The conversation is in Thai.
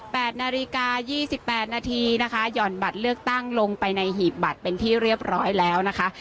นาฬิกายี่สิบแปดนาทีนะคะหย่อนบัตรเลือกตั้งลงไปในหีบบัตรเป็นที่เรียบร้อยแล้วนะคะ